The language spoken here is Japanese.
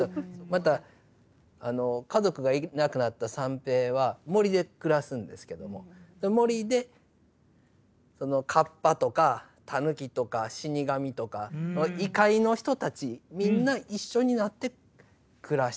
また家族が亡くなった三平は森で暮らすんですけども森で河童とかタヌキとか死神とか異界の人たちみんな一緒になって暮らしてるわけですよ。